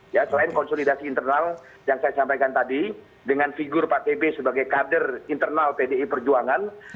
ya selain konsolidasi internal yang saya sampaikan tadi dengan figur pak tb sebagai kader internal pdi perjuangan